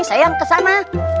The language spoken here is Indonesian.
saya yang kesana